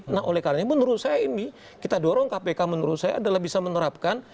nah oleh karena menurut saya ini kita dorong kpk menurut saya adalah bisa menerapkan